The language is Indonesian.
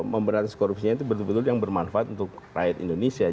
memberantas korupsinya itu betul betul yang bermanfaat untuk rakyat indonesia